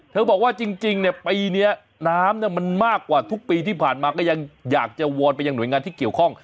บอกว่าจริงเนี่ยปีนี้น้ำมันมากกว่าทุกปีที่ผ่านมาก็ยังอยากจะวอนไปยังหน่วยงานที่เกี่ยวข้อง